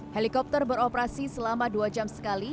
helikopter beroperasi selama dua jam sekali